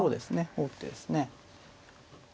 王手ですね。